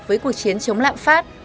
với cuộc chiến chống lạm phát